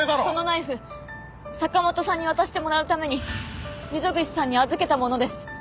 そのナイフ坂元さんに渡してもらうために溝口さんに預けたものです。